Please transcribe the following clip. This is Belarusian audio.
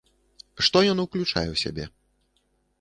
Што ён уключае ў сябе?